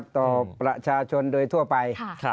ต่อประชาชนโดยทั่วไป